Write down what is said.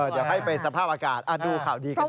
เดี๋ยวให้ไปสภาพอากาศดูข่าวดีกันหน่อย